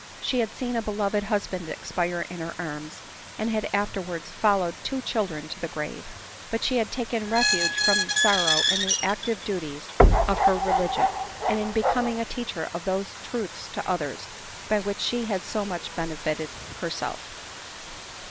She had seen a beloved husband expire in her arms, and had afterwards followed two children to the grave. But she had taken refuge from sorrow in the active duties of her religion, and in becoming a teacher of those truths to others, by which she had so much benefited herself.